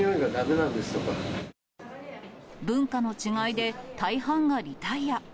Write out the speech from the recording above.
文化の違いで、大半がリタイア。